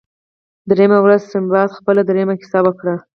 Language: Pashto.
دریمه ورځ سنباد خپله دریمه کیسه وکړه.